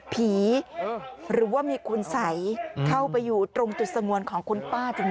หรือว่ามีคุณสัยเข้าไปอยู่ตรงจุดสงวนของคุณป้าจริง